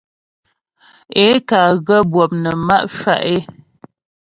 Ě ká ghə́ bwɔp nə má' shwá' é.